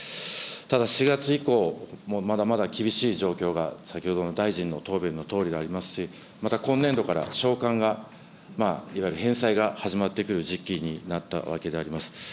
ただ４月以降もまだまだ厳しい状況が先ほども大臣の答弁のとおりでありますし、また今年度から償還が、いわゆる返済が始まってくる時期になったわけでございます。